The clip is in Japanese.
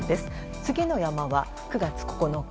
次の山は９月９日。